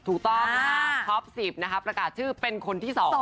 ถูกต้องนะคะท็อปสิบนะคะประกาศชื่อเป็นคนที่สอง